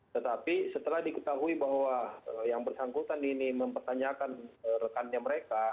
tetapi setelah diketahui bahwa yang bersangkutan ini mempertanyakan rekannya mereka